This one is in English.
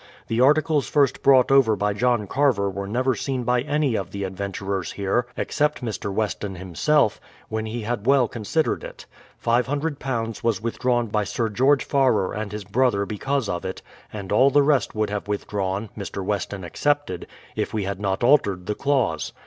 The articles first brought over by John Carver were never seen by any of the adventurers here except Mr. Weston himself, when he had well considered it. £500 was withdrawn by Sir George Farrer and his brother because of it, and all the rest would have withdrawn (Mr. Weston ex cepted), if we had not altered the clause.